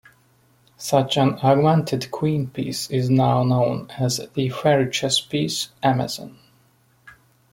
Such an augmented queen piece is now known as the fairy chess piece "amazon".